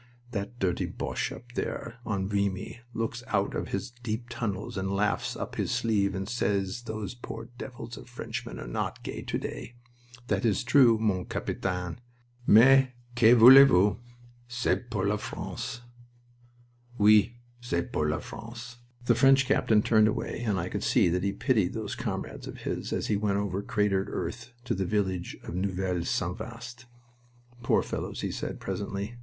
That dirty Boche up there on Vimy looks out of his deep tunnels and laughs up his sleeve and says those poor devils of Frenchmen are not gay to day! That is true, mon Capitaine. Mais, que voulez vous? C'est pour la France." "Oui. C'est pour la France." The French captain turned away and I could see that he pitied those comrades of his as we went over cratered earth to the village of Neuville St. Vaast. "Poor fellows," he said, presently.